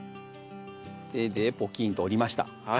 手でポキンと折りました。